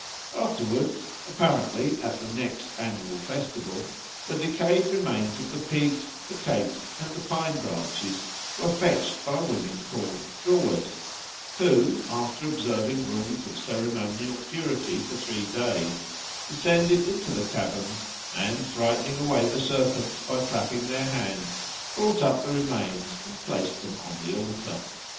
Afterwards apparently at the next annual festival the decayed remains of the pigs, the cakes, and the pine branches were fetched by women called "drawers," who, after observing rules of ceremonial purity for three days, descended into the caverns, and, frightening away the serpents by clapping their hands, brought up the remains and placed them on the altar.